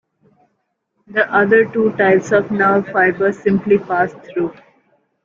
The other two types of nerve fibers simply pass through.